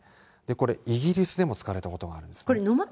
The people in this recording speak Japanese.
これ、イギリスでも使われたことがあります。